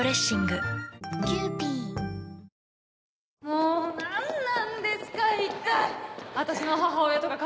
もう何なんですか？